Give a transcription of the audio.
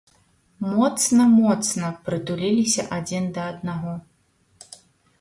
Моцна-моцна прытуліліся адзін да аднаго.